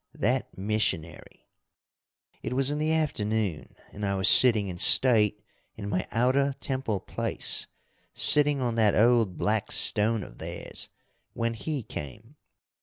That missionary! It was in the afternoon, and I was sitting in state in my outer temple place, sitting on that old black stone of theirs when he came.